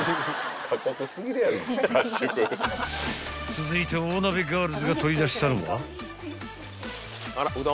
［続いて大鍋ガールズが取り出したのは］